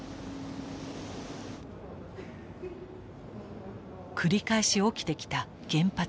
繰り返し起きてきた原発事故。